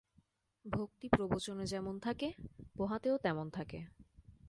ভক্তি প্রবচনে যেমন থাকে, পোহাতে ও তেমন থাকে।